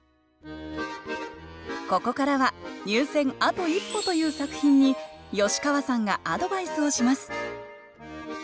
ここからは入選あと一歩という作品に吉川さんがアドバイスをします